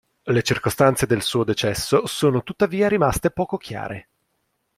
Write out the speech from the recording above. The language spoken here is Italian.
Le circostanze del suo decesso sono tuttavia rimaste poco chiare.